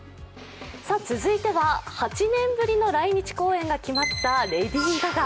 続いては、８年ぶりの来日公演が決まったレディー・ガガ。